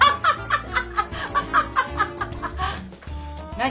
何？